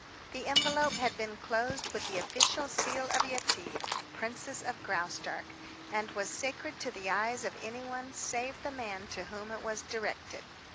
The envelope had been closed with the official seal of Yetive, Princess of Graustark, and was sacred to the eyes of anyone save the man to whom it was directed.